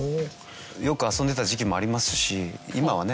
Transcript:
よく遊んでた時期もありますし今はね